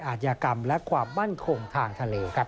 อาจยากรรมและความมั่นคงทางทะเลครับ